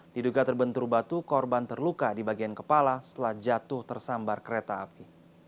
diduga terbentur batu korban terluka di bagian kepala setelah jatuh tersambar kereta api